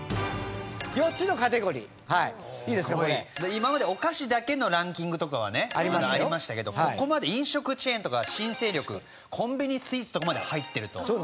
今まではお菓子だけのランキングとかはね色々ありましたけどここまで飲食チェーンとか新勢力コンビニスイーツとかまで入ってると。